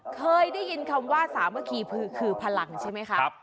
เคยได้ยินคำว่าสามัคคีคือพลังใช่ไหมคะ